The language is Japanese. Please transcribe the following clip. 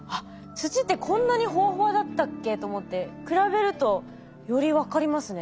土ってこんなにホワホワだったっけと思って比べるとより分かりますね。